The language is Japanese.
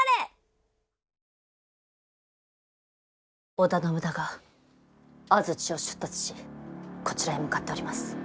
織田信長安土を出立しこちらへ向かっております。